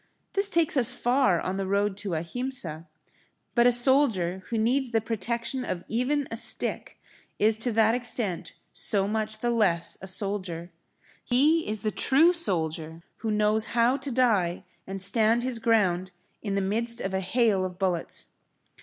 This takes us far on the road to Ahimsa. But a soldier, who needs the protection of even a stick, is[Pg 21] to that extent so much the less a soldier. He is the true soldier who knows how to die and stand his ground in the midst of a hail of bullets.